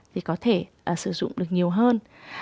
thì có thể sử dụng được nhiều hơn